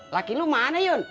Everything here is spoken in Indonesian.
laki lu mana yun